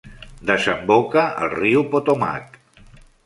Desemboca al riu Potomac.